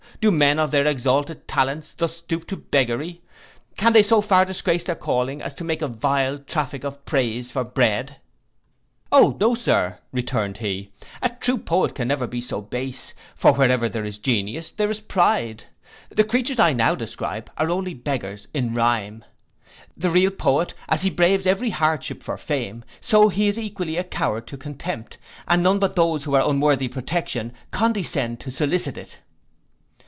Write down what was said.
Do men of their exalted talents thus stoop to beggary! Can they so far disgrace their calling, as to make a vile traffic of praise for bread?' 'O no, Sir,' returned he, 'a true poet can never be so base; for wherever there is genius there is pride. The creatures I now describe are only beggars in rhyme. The real poet, as he braves every hardship for fame, so he is equally a coward to contempt, and none but those who are unworthy protection condescend to solicit it.